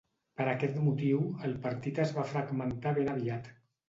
Per aquest motiu, el partit es va fragmentar ben aviat.